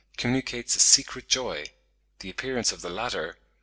communicates a secret joy; the appearance of the latter...